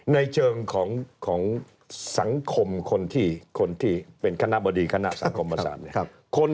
ในเชิงของสังคมคนที่เป็นคณะบดีคณะสังคมบรรทาน